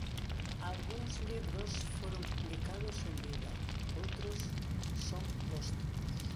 Algúns libros foron publicados en vida; outros son póstumos.